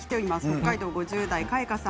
北海道５０代の方